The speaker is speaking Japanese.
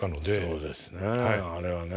そうですねあれはね。